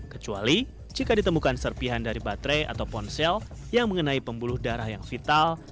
kecuali jika ditemukan serpihan dari baterai atau ponsel yang mengenai pembuluh darah yang vital